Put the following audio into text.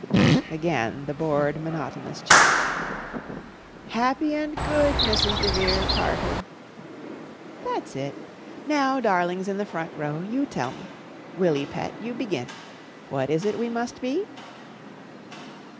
Again the bored monotonous chant: "Happy and good, Mrs. de Vere Carter." "That's it. Now, darlings, in the front row, you tell me. Willy, pet, you begin. What is it we must be?"